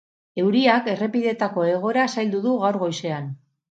Euriak errepideetako egoera zaildu du gaur goizean.